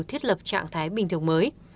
thiết lập trạng thái bình thường mới